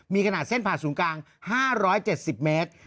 มีขนาดเส้นผ่านศูนย์กลาง๕๗๐เมตร